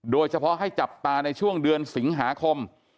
โดยเฉพาะให้จับตาในช่วงเดือนสิงหาคม